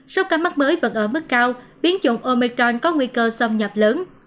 sau các mắt mới vẫn ở mức cao biến chủng omicron có nguy cơ xâm nhập lớn